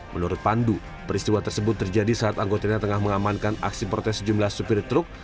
menurut pandu peristiwa tersebut terjadi saat anggotanya tengah mengamankan aksi protes sejumlah supir truk